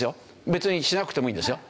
別にしなくてもいいんですよ。